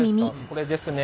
これですね